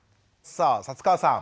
さあ薩川さん